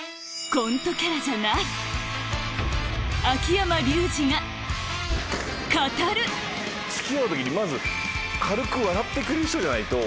コントキャラじゃない付き合う時にまず軽く笑ってくれる人じゃないと。